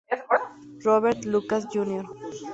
Robert Lucas, Jr.